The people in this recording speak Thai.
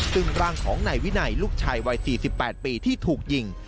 ซึ่งร่างของนายวินัยลูกชายวัย๔๘ปีที่ถูกยิง